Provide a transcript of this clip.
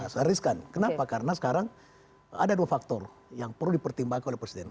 sangat riskan kenapa karena sekarang ada dua faktor yang perlu dipertimbangkan oleh presiden